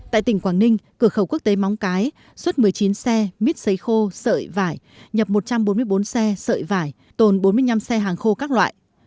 tại tỉnh quảng ninh cửa khẩu quốc tế móng cái xuất một mươi chín xe mít xấy khô sợi vải nhập một trăm bốn mươi bốn xe sợi vải tồn bốn mươi năm xe hàng khô các loại